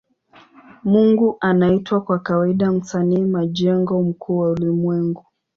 Mungu anaitwa kwa kawaida Msanii majengo mkuu wa ulimwengu.